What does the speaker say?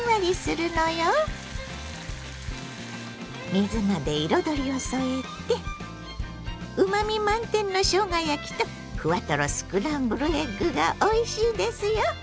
水菜で彩りを添えてうまみ満点のしょうが焼きとふわとろスクランブルエッグがおいしいですよ。